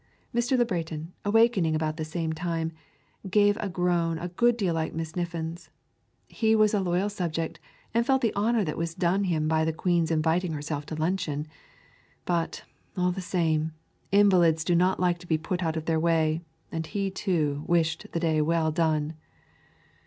Mr. Le Breton, awakening about the same time, gave a groan a good deal like Miss Niffin's. He was a loyal subject, and felt the honor that was done him by the Queen's inviting herself to luncheon; but, all the same, invalids do not like to be put out of their way, and he, too, wished the day well done.